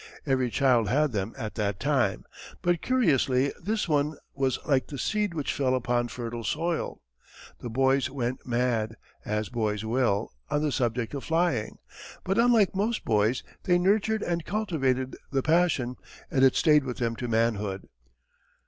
Every child had them at that time, but curiously this one was like the seed which fell upon fertile soil. The boys went mad, as boys will, on the subject of flying. But unlike most boys they nurtured and cultivated the passion and it stayed with them to manhood.